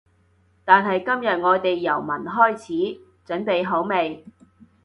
但係今日我哋由聞開始，準備好未？